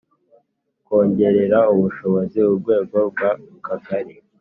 Kongerera ubushobozi urwego rw Akagari